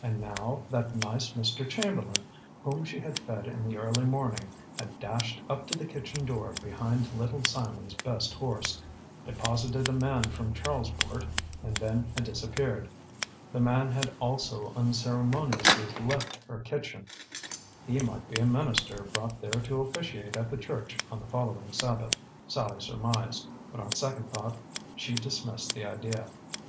And now that nice Mr. Chamberlain, whom she had fed in the early morning, had dashed up to the kitchen door behind Little Simon's best horse, deposited a man from Charlesport, and then had disappeared. The man had also unceremoniously left her kitchen. He might be a minister brought there to officiate at the church on the following Sabbath, Sallie surmised; but on second thought she dismissed the idea.